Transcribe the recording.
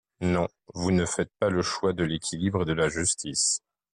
Non, vous ne faites pas le choix de l’équilibre et de la justice.